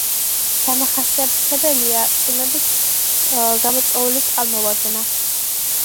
დამახასიათებელია წვიმებით გამოწვეული წყალმოვარდნა.